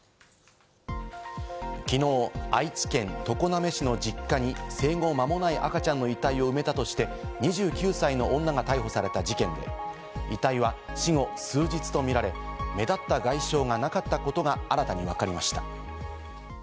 昨日、愛知県常滑市の実家に生後まもない赤ちゃんの遺体を埋めたとして２９歳の女が逮捕された事件で、遺体は死後数日とみられ、目立った外傷がなかったことが新たに分かりました。